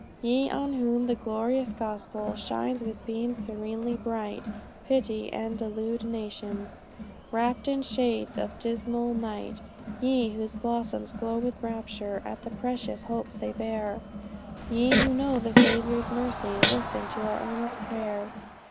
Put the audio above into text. "Ye, on whom the glorious gospel, Shines with beams serenely bright, Pity the deluded nations, Wrapped in shades of dismal night; Ye, whose bosoms glow with rapture, At the precious hopes they bear; Ye, who know a Saviour's mercy, Listen to our earnest prayer!